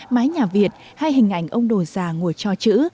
mái nhà việt hay hình ảnh ông đồ già ngồi cho chữ